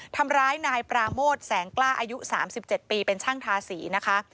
ทำร้ายนายปราโมทแสงกล้าอายุ๓๗ปีเป็นช่างทาสีนะคะ